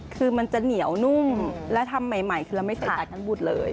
คือมันจะเหนียวนุ่มและทำใหม่คือเราไม่เคยตัดท่านบุตรเลย